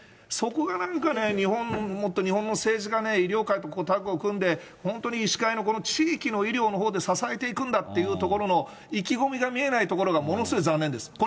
そこがなんかね、日本の、もっと日本の政治家ね、医療界とタッグを組んで、本当に医師会のこの地域の医療のほうで支えていくんだっていうところの意気込みが見えないところが、ものすごい残念です。